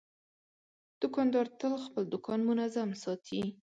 دوکاندار تل خپل دوکان منظم ساتي.